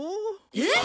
えっ！？